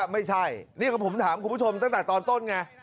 ไปก็ได้โอ้โหสบายรู้กฎหมาย